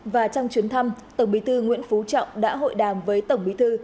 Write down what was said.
và trong chuyến thăm tổng bí thư nguyễn phú trọng đã hội đàm với tổng bí thư